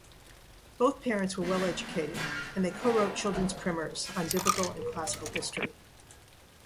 Both parents were well-educated and they co-wrote children's primers on Biblical and classical history.